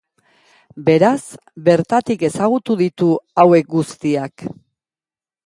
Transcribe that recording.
Beraz, bertatik ezagutu ditu hauek guztiak.